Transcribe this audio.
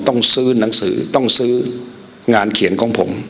ต้องซื้อหนังสือต้องซื้องานเขียนของผม